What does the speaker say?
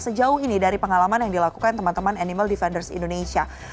sejauh ini dari pengalaman yang dilakukan teman teman animal defenders indonesia